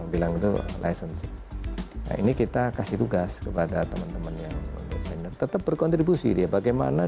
bilang tuh licensing ini kita kasih tugas kepada teman temannya tetap berkontribusi dia bagaimana